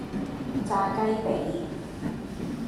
炸雞脾